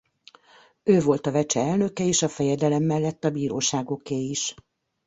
Ő volt a vecse elnöke és a fejedelem mellett a bíróságoké is.